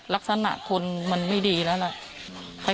ลักษณะคนมันไม่ดีแล้วล่ะ